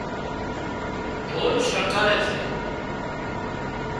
ڍول شڻڳاري سي